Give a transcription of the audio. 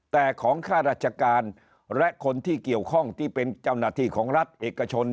แต่ของข้าราชการและคนที่เกี่ยวข้องที่เป็นเจ้าหน้าที่ของรัฐเอกชน